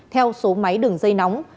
theo số máy đường dây nóng